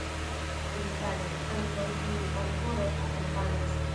Dumtage, ankaŭ tiu angoro akompanas.